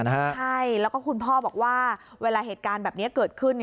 ใช่แล้วก็คุณพ่อบอกว่าเวลาเหตุการณ์แบบนี้เกิดขึ้น